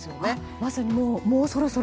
まさにもうそろそろ。